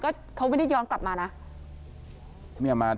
ก็เขาไม่ได้ย้อนกลับมานะ